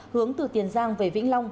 hướng từ tiền giang về vĩnh long